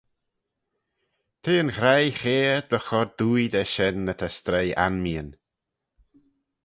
T'eh yn ghraih chair dy chur dwoaie da shen ny ta stroie anmeeyn.